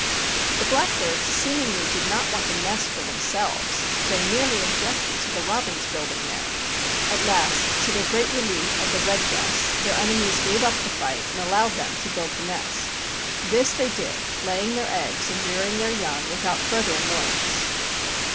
The black birds seemingly did not want the nest for themselves. They merely objected to the robins building there. At last, to the great relief of the red breasts, their enemies gave up the fight and allowed them to build the nest. This they did, laying their eggs and rearing their young without further annoyance.